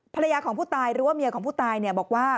ภรรยาของผู้ตายหรือว่าเมียของผู้ตายบอกว่า